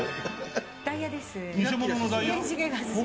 ダイヤです。